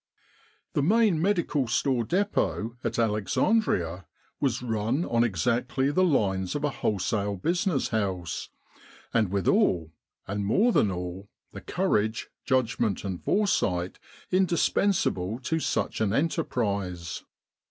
The Main Medical Store Depot at Alexandria was run on exactly the lines of a wholesale business house, and with all, and more than all, the courage, judgment, and foresight indispensable to such an enterprise.